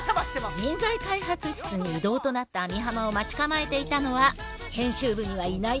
人材開発室に異動となった網浜を待ち構えていたのは編集部にはいないタイプの人たち。